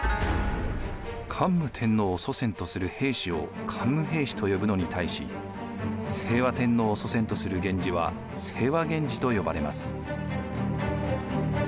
桓武天皇を祖先とする平氏を桓武平氏と呼ぶのに対し清和天皇を祖先とする源氏は清和源氏と呼ばれます。